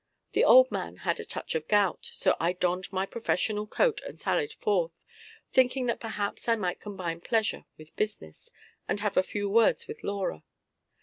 The old man had a touch of gout, so I donned my professional coat and sallied forth, thinking that perhaps I might combine pleasure with business, and have a few words with Laura.